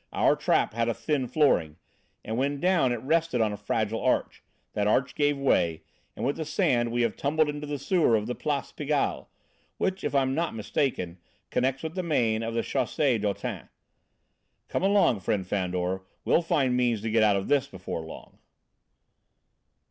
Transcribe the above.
Our trap had a thin flooring, and, when down, it rested on a fragile arch. That arch gave way, and with the sand we have tumbled into the sewer of the Place Pigalle, which, if I am not mistaken, connects with the main of the Chaussée d'Autin. Come along, friend Fandor, we'll find means to get out of this before long."